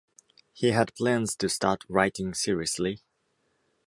He had plans to start writing seriously.